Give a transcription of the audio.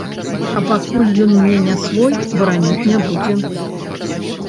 А пакуль ён мне не свой, бараніць не будзе.